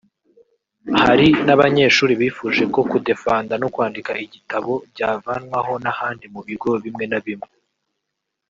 Hari n’abanyeshuri bifuje ko kudefanda no kwandika igitabo byavanwaho n’ahandi mu bigo bimwe na bimwe